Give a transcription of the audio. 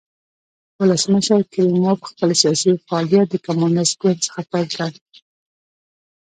ولسمشر کریموف خپل سیاسي فعالیت د کمونېست ګوند څخه پیل کړ.